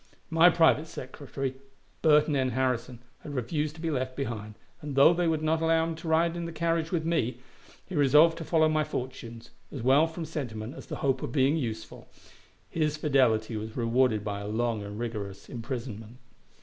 My private secretary, Burton N. Harrison, had refused to be left behind, and, though they would not allow him to go in the carriage with me, he was resolved to follow my fortunes, as well from sentiment as the hope of being useful. His fidelity was rewarded by a long and rigorous imprisonment.